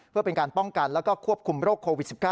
เพื่อเป็นการป้องกันแล้วก็ควบคุมโรคโควิด๑๙